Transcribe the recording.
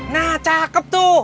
nah cakep tuh